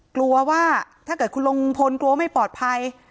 กลัวว่าถ้าเกิดคุณลุงพลกลัวไม่ปลอดภัย